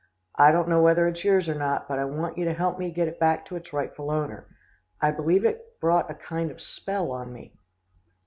I don't know whether it's yours or not, but I want you to help me get it back to its rightful owner. I believe it brought a kind of spell on me.